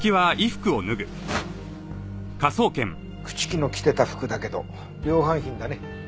朽木の着てた服だけど量販品だね。